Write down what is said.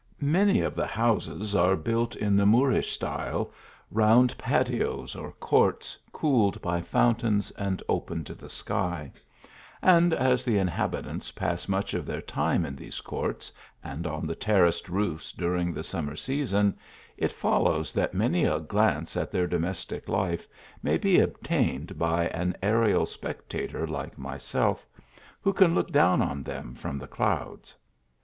Many of the houses are built in the Moorish style, round patios or courts cooled by fountains and open to the sky ; and as the inhabitants pass much of their time in these courts and on the terraced roofs during the summer season, it follows that many a glance at their domestic life may be obtained by an aerial spectator like myself, who can look down on them from the clouds.